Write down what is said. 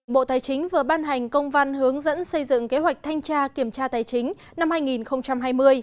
bộ tài chính vừa ban hành công văn hướng dẫn xây dựng kế hoạch thanh tra kiểm tra tài chính năm hai nghìn hai mươi